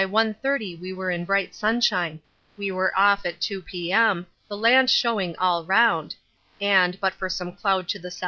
30 we were in bright sunshine. We were off at 2 P.M., the land showing all round, and, but for some cloud to the S.E.